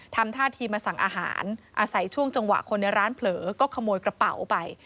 ทำท่าทีมาสั่งอาหารอาศัยช่วงจังหวะคนในร้านเผลอก็ขโมยกระเป๋าไป